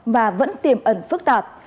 và vẫn tiềm ẩn phức tạp